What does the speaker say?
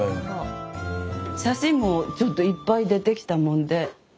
写真もちょっといっぱい出てきたもんで。